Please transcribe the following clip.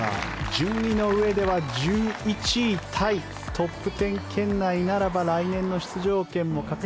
順位のうえでは１１位タイトップ１０圏内ならば来年の出場権も獲得。